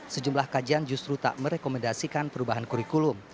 sejumlah kajian justru tak merekomendasikan perubahan kurikulum